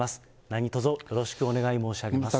何とぞよろしくお願い申し上げます。